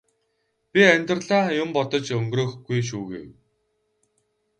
би амьдралаа юм бодож өнгөрөөхгүй шүү гэв.